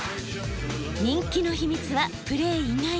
人気の秘密はプレー以外にも。